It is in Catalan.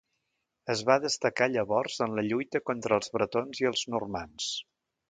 Es va destacar llavors en la lluita contra els bretons i els normands.